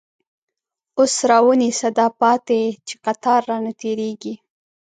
اوس را ونیسه دا پاتی، چه قطار رانه تیریږی